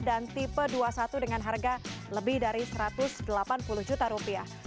dan tipe dua puluh satu dengan harga lebih dari satu ratus delapan puluh juta rupiah